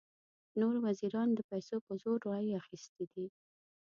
نورو وزیرانو د پیسو په زور رایې اخیستې دي.